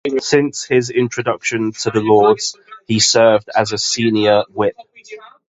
Since his introduction to the Lords, he served as a Senior Whip.